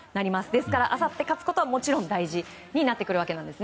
ですから、あさって勝つことはもちろん大事になるわけです。